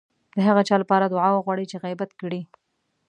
د هغه چا لپاره دعا وغواړئ چې غيبت کړی.